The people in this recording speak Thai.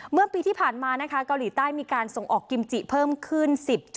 เมื่อปีที่ผ่านมานะคะเกาหลีใต้มีการส่งออกกิมจิเพิ่มขึ้น๑๐